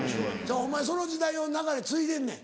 お前その時代の流れ継いでんねん。